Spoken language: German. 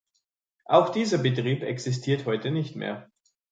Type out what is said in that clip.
Auch dieser Betrieb existiert heute nicht mehr.